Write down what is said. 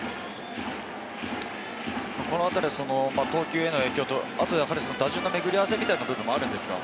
このあたりは投球への影響と、あとは打順の巡り合わせみたいな部分もあるんでしょうか？